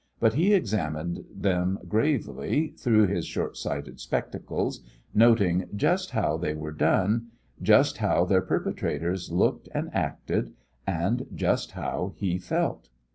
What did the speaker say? But he examined them gravely through his shortsighted spectacles, noting just how they were done, just how their perpetrators looked and acted, and just how he felt.